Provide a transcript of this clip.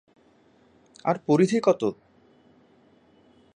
আর পরিধি কত?